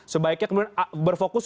sebaiknya kemudian berfokus